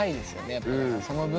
やっぱりその分。